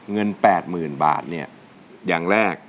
เงิน๘๐๐๐บาทเนี่ยอย่างแรก